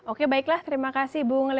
oke baiklah terima kasih bu leonardo henry